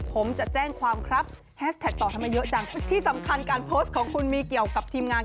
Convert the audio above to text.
ผมจะแจ้งความครับแฮชแท็กต่อให้มาเยอะจังที่สำคัญการโพสต์ของคุณมีเกี่ยวกับทีมงาน